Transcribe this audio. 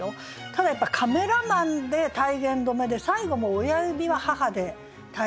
ただやっぱ「カメラマン」で体言止めで最後も「親指は母」で体言止めになってて。